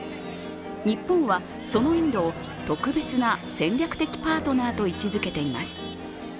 日本はそのインドを特別な戦略的パートナーと位置づけています。